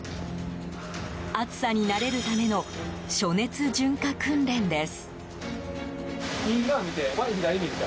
暑さに慣れるための暑熱順化訓練です。